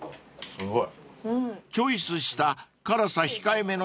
すごい。